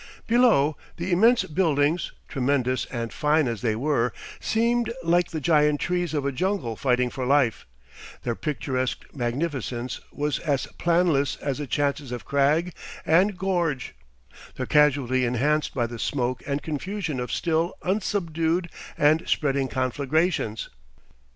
Below, the immense buildings, tremendous and fine as they were, seemed like the giant trees of a jungle fighting for life; their picturesque magnificence was as planless as the chances of crag and gorge, their casualty enhanced by the smoke and confusion of still unsubdued and spreading conflagrations.